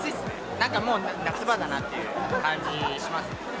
なんかもう夏場だなっていう感じしますね。